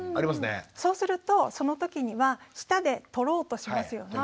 そうするとそのときには舌で取ろうとしますよね？